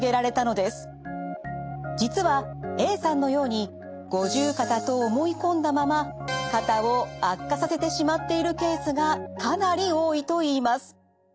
実はＡさんのように五十肩と思い込んだまま肩を悪化させてしまっているケースがかなり多いといいます。